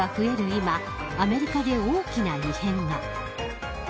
今アメリカで大きな異変が。